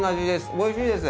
おいしいです！